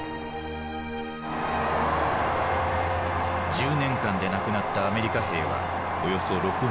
１０年間で亡くなったアメリカ兵はおよそ６万。